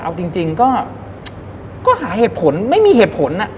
เอาจริงก็หาเหตุผลไม่มีเหตุผล